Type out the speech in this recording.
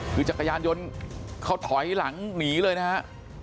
คือจักรยานยนต์เขาถอยหลังหนีเลยนะฮะ